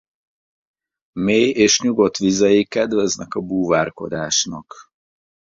Mély és nyugodt vizei kedveznek a búvárkodásnak.